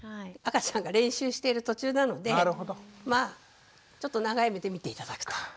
赤ちゃんが練習している途中なのでまあちょっと長い目で見て頂くと。